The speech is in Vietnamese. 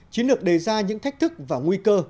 chiến lược đề ra những thách thức và nguy cơ